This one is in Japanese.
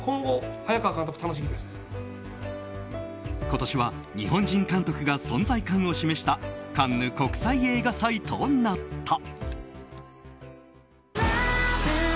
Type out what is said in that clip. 今年は日本人監督が存在感を示したカンヌ国際映画祭となった。